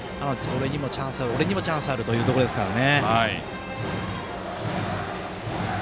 俺にもチャンスがあるというところですから。